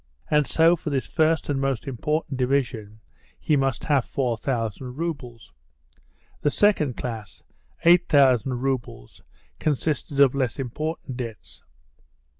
And so for this first and most important division he must have four thousand roubles. The second class—eight thousand roubles—consisted of less important debts.